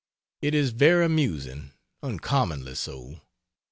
It is very amusing uncommonly so.